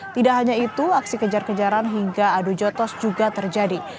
tidak hanya itu aksi kejar kejaran hingga adu jotos juga terjadi